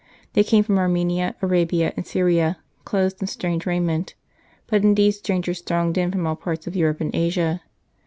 They came from Armenia, Arabia, and Syria, clothed in strange raiment, but indeed strangers thronged in from all parts of Europe and Asia.